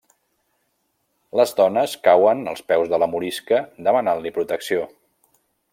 Les dones cauen als peus de la morisca demanant-li protecció.